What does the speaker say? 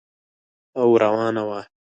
او روانه وه.